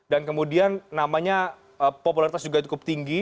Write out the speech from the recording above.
dan kemudian namanya popularitas juga cukup tinggi